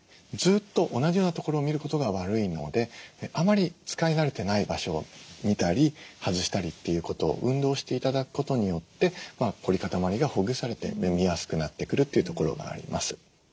ずっと同じような所を見ることが悪いのであまり使い慣れてない場所を見たり外したりっていうこと運動して頂くことによって凝り固まりがほぐされて見やすくなってくるというところがあります。